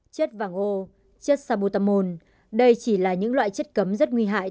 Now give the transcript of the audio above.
chất vàng ô chất sabotamol đây chỉ là những loại chất cấm rất nguy hại